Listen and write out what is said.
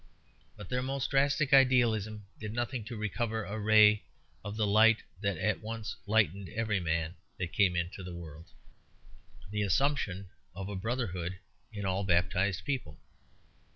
But their most drastic idealism did nothing to recover a ray of the light that at once lightened every man that came into the world, the assumption of a brotherhood in all baptized people.